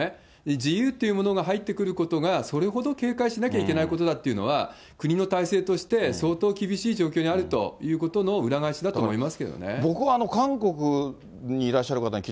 自由っていうものが入ってくることが、それほど警戒しなきゃいけないことだっていうのは国の体制として、相当厳しい状況にあるということの裏返しだと思います